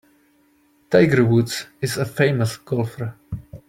Tiger Woods is a famous golfer.